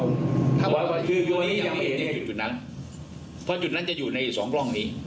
ร้อยกว่าคือโยนนี้ยังไม่เห็นในจุดนั้นเพราะจุดนั้นจะอยู่ในสองกล้องนี้